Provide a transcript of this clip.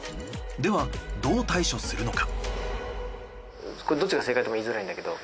ではどう対処するのか？